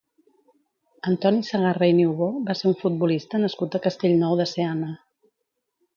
Antoni Segarra i Niubó va ser un futbolista nascut a Castellnou de Seana.